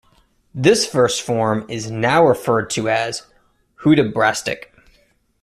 This verse form is now referred to as "Hudibrastic".